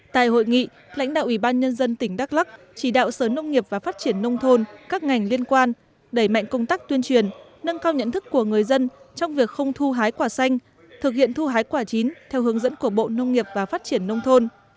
tại hội nghị lãnh đạo ủy ban nhân dân tỉnh đắk lắc chỉ đạo sở nông nghiệp và phát triển nông thôn các ngành liên quan đẩy mạnh công tác tuyên truyền nâng cao nhận thức của người dân trong việc không thu hái quả xanh thực hiện thu hái quả chín theo hướng dẫn của bộ nông nghiệp và phát triển nông thôn